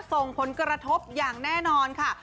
ส่งผลกระทบอย่างแน่นอนค่ะ